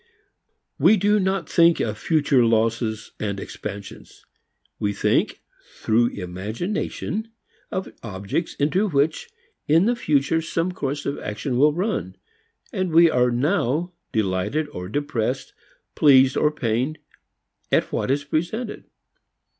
We do not think of future losses and expansions. We think, through imagination, of objects into which in the future some course of action will run, and we are now delighted or depressed, pleased or pained at what is presented.